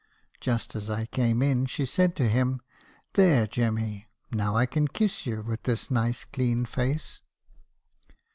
Just as I came in, she said to him, 'There, Jemmy, now I can kiss you with this nice clean face.'